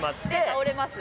倒れます。